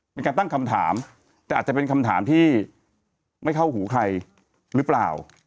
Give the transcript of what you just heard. เป็นการตั้งคำถามแต่อาจจะเป็นคำถามที่ไม่เข้าหูใครหรือเปล่า